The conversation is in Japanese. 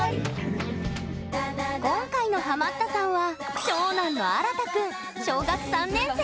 今回のハマったさんは長男のあらたくん、小学３年生。